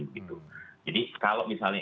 gitu jadi kalau misalnya